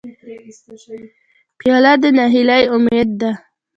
پیاله د نهیلۍ امید ده.